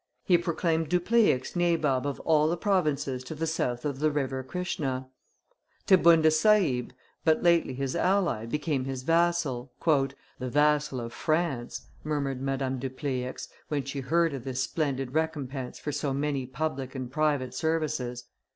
He proclaimed Dupleix nabob of all the provinces to the south of the River Krischna. Tcbunda Sahib, but lately his ally, became his vassal "the vassal of France," murmured Madame Dupleix, when she heard of this splendid recompense for so many public and private services.